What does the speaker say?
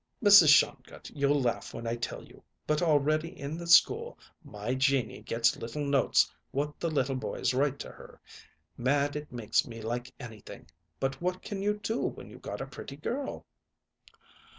"Mrs. Shongut, you'll laugh when I tell you; but already in the school my Jeannie gets little notes what the little boys write to her. Mad it makes me like anything; but what can you do when you got a pretty girl?"